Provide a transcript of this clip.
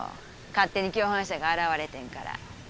勝手に共犯者が現れてんから。